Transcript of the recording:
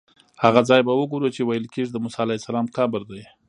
هغه ځای به وګورو چې ویل کېږي د موسی علیه السلام قبر دی.